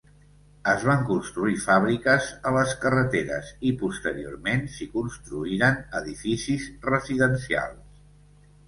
Es van construir fàbriques a les carreteres i, posteriorment, s'hi construïren edificis residencials.